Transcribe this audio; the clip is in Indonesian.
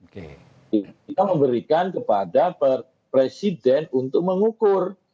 kita memberikan kepada presiden untuk mengukur